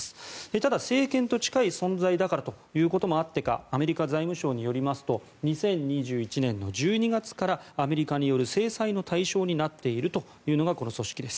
ただ政権と近い存在だからということもあってかアメリカ財務省によりますと２０２１年の１２月からアメリカによる制裁の対象になっているというのがこの組織です。